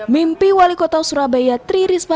mimpi wali kota surabaya tri risma